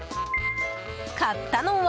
買ったのは。